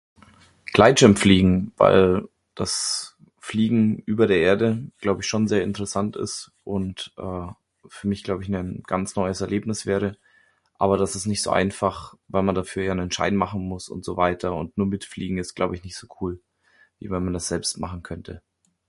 Gleitschirmfliegen, weil das Fliegen über der Erde glaub ich schon sehr interessant ist und eh für mich glaub ich nen ganz neues Erlebnis wäre. Aber das ist nicht so einfach weil man dafür ja nen Schein machen muss und so weiter und nur mitfliegen ist glaube ich nicht so cool, wie wenn man das selbst machen könnte.